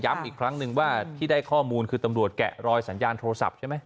อีกครั้งหนึ่งว่าที่ได้ข้อมูลคือตำรวจแกะรอยสัญญาณโทรศัพท์ใช่ไหม